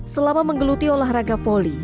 selama menggeluti olahraga voli